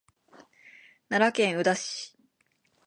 奈良県宇陀市